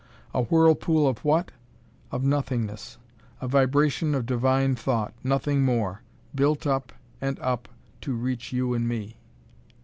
A whirlpool of what? Of Nothingness! A vibration of Divine Thought nothing more built up and up to reach you and me!